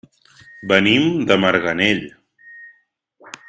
Venim de Marganell.